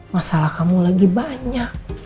masalah kamu lagi banyak